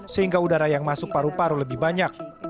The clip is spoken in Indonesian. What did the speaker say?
sehingga udara yang masuk paru paru lebih banyak